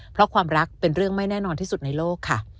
เพราะความรักเป็นเรื่องไม่แน่นอนที่สุดในโลกค่ะ